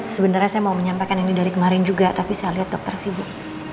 sebenarnya saya mau menyampaikan ini dari kemarin juga tapi saya lihat dokter sibuk